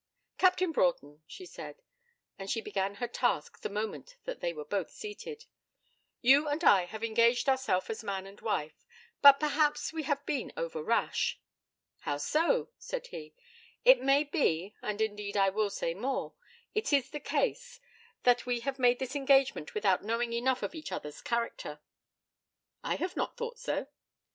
'Captain Broughton,' she said and she began her task the moment that they were both seated 'You and I have engaged ourselves as man and wife, but perhaps we have been over rash.' 'How so?' said he. 'It may be and indeed I will say more it is the case that we have made this engagement without knowing enough of each other's character.' 'I have not thought so.'